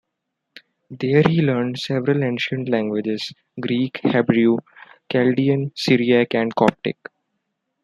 There he learned several ancient languages: Greek, Hebrew, Chaldean, Syriac, and Coptic.